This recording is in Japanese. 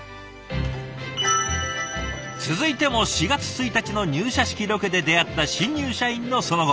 続いても４月１日の入社式ロケで出会った新入社員のその後。